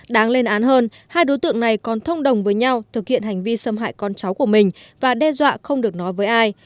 đáng lên án hơn hai đối tượng này còn thông đồng với nhau thực hiện hành vi xâm hại con cháu của mình và đe dọa không được nói với ai